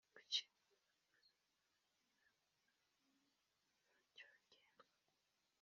kuki abayobozi b’inyamaswa cg se amatungo bagomba kubiza hafi munzira nyabagendwa